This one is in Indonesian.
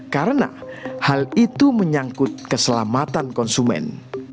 karena hal itu menyangkut keselamatan konsumen